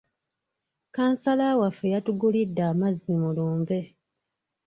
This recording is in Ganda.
Kkansala waffe yatugulidde amazzi mu lumbe.